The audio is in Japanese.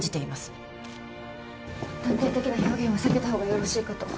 断定的な表現は避けた方がよろしいかと。